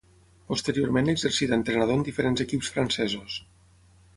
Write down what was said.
Posteriorment exercí d'entrenador en diferents equips francesos.